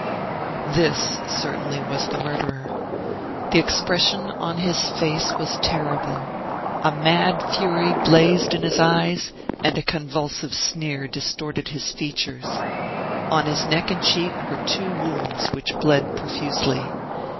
This certainly was the murderer. The expression on his face was terrible. A mad fury blazed in his eyes, and a convulsive sneer distorted his features. On his neck and cheek were two wounds which bled profusely.